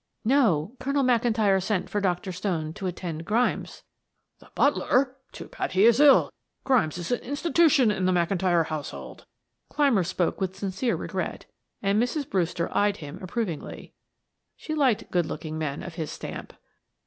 "No. Colonel McIntyre sent for Dr. Stone to attend Grimes " "The butler! Too bad he is ill; Grimes is an institution in the McIntyre household." Clymer spoke with sincere regret, and Mrs. Brewster eyed him approvingly; she liked good looking men of his stamp.